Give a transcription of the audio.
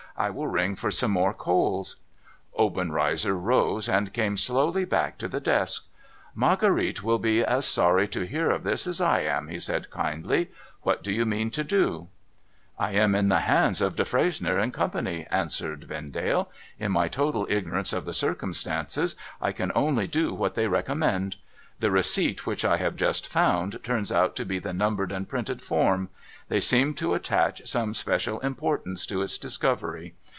I will ring for some more coals.' Obenreizer rose, and came slowly back to the desk. * Marguerite will be as sorry to hear of this as I am,' he said, kindly. ' What do you mean to do ?'' I am in the hands of Defresnier and Company,' answered Vendale. ' In my total ignorance of the circumstances, I can only do what they recommend. The receipt which I have just found, turns out to be the numbered and printed form. They seem to attach some special importance to its discovery.